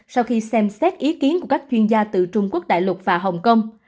sau khi xem xét ý kiến của các chuyên gia từ trung quốc đại lục và hồng kông